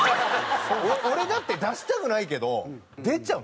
俺だって出したくないけど出ちゃうんですって。